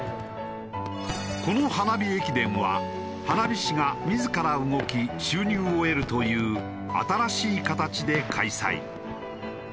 この花火駅伝は花火師が自ら動き収入を得るという新しい形で開催。